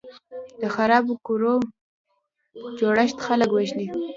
د خرابو کورو جوړښت خلک وژني.